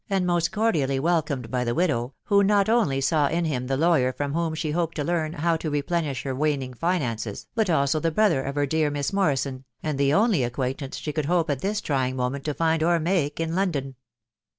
and most cordially welcomed by the widow, who not only aaw in him the lawyer from whom she hoped to learn how to replensfe her waning finances, but also the brother of her dear Mitt Morrison, and the only acquaintance she could hope at th» trying moment to find or make in London.